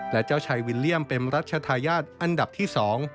และเจ้าชายวิลเลี่ยมเป็นรัชธาญาติอันดับที่สอง